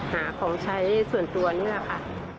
หาของใช้ส่วนตัวนี่แหละค่ะ